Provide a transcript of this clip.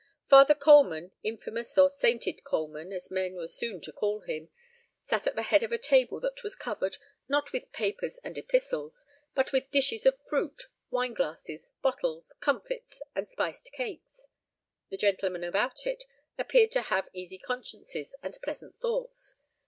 Father Coleman, infamous or sainted Coleman, as men were soon to call him, sat at the head of a table that was covered, not with papers and epistles, but with dishes of fruit, wineglasses, bottles, comfits, and spiced cakes. The gentlemen about it appeared to have easy consciences and pleasant thoughts.